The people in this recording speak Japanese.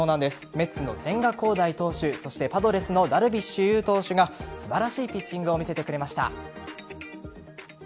メッツの千賀滉大投手パドレスのダルビッシュ有投手が素晴らしいピッチングを見せてくれました。